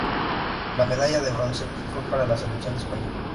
La medalla de Bronce fue para la selección de España.